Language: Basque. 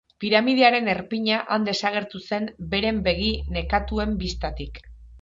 Piramidearen erpina han desagertu zen beren begi nekatuen bistatik.